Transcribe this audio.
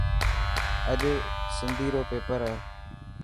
اڄ سنڌي رو پيپر هي.